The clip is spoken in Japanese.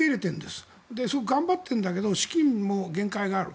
すごく頑張っているんだけど資金にも限界がある。